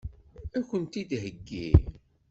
Ad kent-t-id-theggi?